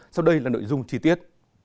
sau đây là nội dung chi tiết